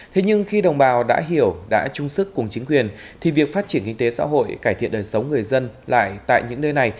thế nhưng khi đồng bào đã hiểu đã chung sức cùng chính quyền thì việc phát triển kinh tế xã hội cải thiện đời sống người dân lại tại những nơi này